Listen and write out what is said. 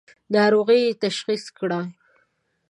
ناروغۍ یې تشخیص کړه.